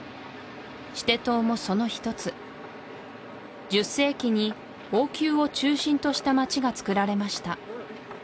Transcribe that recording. シテ島もその一つ１０世紀に王宮を中心とした街がつくられました